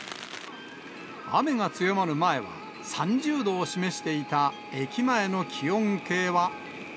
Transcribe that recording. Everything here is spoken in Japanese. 雨が強まる前は、３０度を示していた駅前の気温計は。